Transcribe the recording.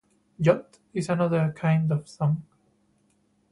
"Jot" is another kind of song.